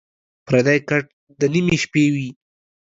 پردی کټ دَ نیمې شپې وي